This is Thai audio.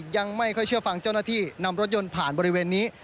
ยังไม่ค่อยเชื่อฟังเจ้าหน้าที่นำรถยนต์ผ่านบริเวณนี้